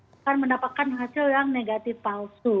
akan mendapatkan hasil yang negatif palsu